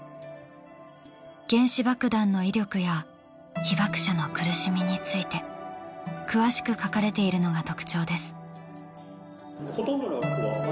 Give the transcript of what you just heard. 原子爆弾の威力や被爆者の苦しみについて詳しく書かれているのが特徴です。